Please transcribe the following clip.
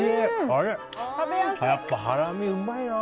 やっぱりハラミ、うまいな。